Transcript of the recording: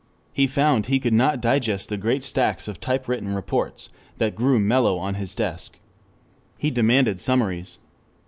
He found he could not digest the great stacks of type written reports that grew mellow on his desk. He demanded summaries.